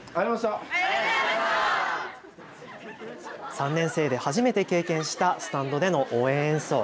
３年生で初めて経験したスタンドでの応援演奏。